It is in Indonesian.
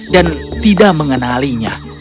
dan tidak mengenalinya